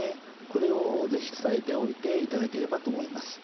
これを是非伝えておいていただければと思います。